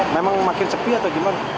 memang makin sepi atau gimana